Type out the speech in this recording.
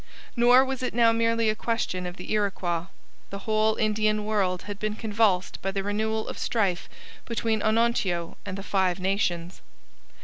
Nor was it now merely a question of the Iroquois. The whole Indian world had been convulsed by the renewal of strife between Onontio and the Five Nations.